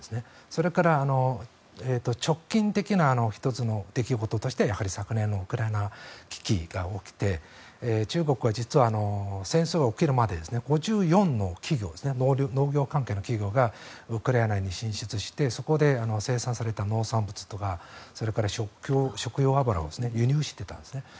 それから直近的な１つの出来事としてやはり昨年のウクライナ危機が起きて中国は実は戦争が起きるまで５４の企業農業関係の企業がウクライナに進出してそこで生産された農産物とかそれから食用油を輸入していたんです。